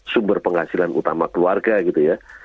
sumber penghasilan utama keluarga gitu ya